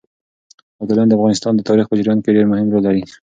ابداليان د افغانستان د تاريخ په جريان کې ډېر مهم رول لري.